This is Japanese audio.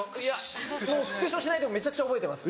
もうスクショしないでもめちゃくちゃ覚えてます。